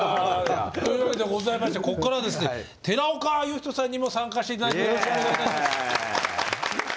というわけでございましてここからはですね寺岡呼人さんにも参加していただいてよろしくお願いいたします。